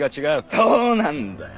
そうなんだよ。